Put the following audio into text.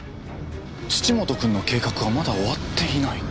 土本君の計画はまだ終わっていない。